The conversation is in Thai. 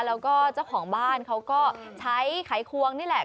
แล้วก็เจ้าของบ้านเขาก็ใช้ไขควงนี่แหละ